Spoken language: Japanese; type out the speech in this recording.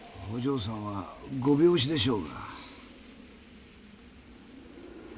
お嬢さんはご病死でしょうが。